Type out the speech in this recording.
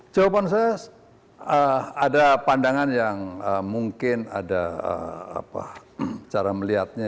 jawaban saya ada pandangan yang mungkin ada cara melihatnya